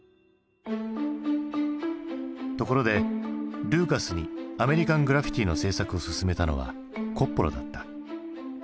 ところでルーカスに「アメリカン・グラフィティ」の製作を勧めたのはコッポラだった。